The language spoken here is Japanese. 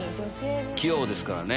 器用ですからね。